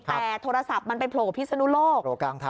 แต่โทรศัพท์มันไปโผล่พิศนุโลก